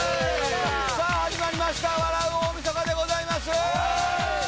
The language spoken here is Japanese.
さあ始まりました、笑う大晦日でございます。